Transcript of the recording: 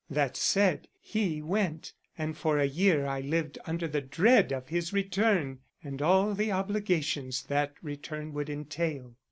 That said, he went, and for a year I lived under the dread of his return and all the obligations that return would entail.